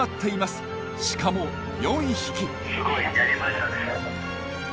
しかも４匹。